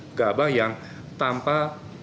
harga gabah yang tanpa